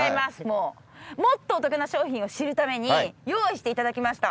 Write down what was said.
もっとお得な商品を知るために用意していただきました。